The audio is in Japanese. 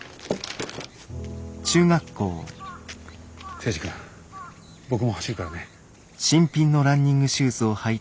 征二君僕も走るからね。